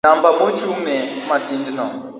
Namba mochung'ne masindno